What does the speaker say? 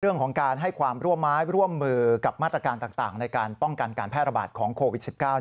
เรื่องของการให้ความร่วมไม้ร่วมมือกับมาตรการต่างในการป้องกันการแพร่ระบาดของโควิด๑๙